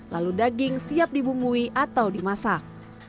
lalu daging siap dibumbui atau dimasak